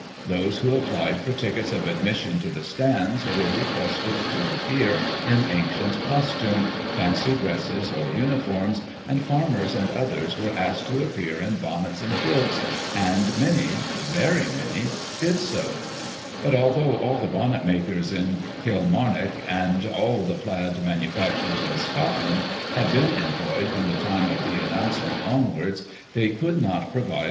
Those who applied for tickets of admission to the stands were re quested to appear in ancient costume, fancy dresses, or uniforms, and farmers and others were asked to appear in bonnets and kilts, and many — very many — did so; but although all the bonnet makers in Kilmsimock, and all the plaid manufacturers in Scotland, had been employed from the time of the announcement, onwards, they could not provide Digiti ized by Google i839] THE EGLINTON TOURNAMENT.